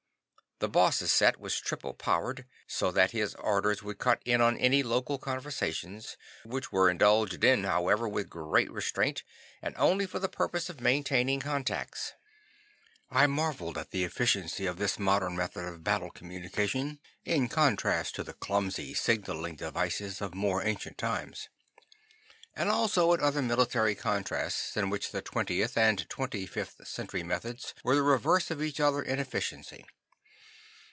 The Boss' set was triple powered, so that his orders would cut in on any local conversations, which were indulged in, however, with great restraint, and only for the purpose of maintaining contacts. I marveled at the efficiency of this modern method of battle communication in contrast to the clumsy signaling devices of more ancient times; and also at other military contrasts in which the 20th and 25th Century methods were the reverse of each other in efficiency.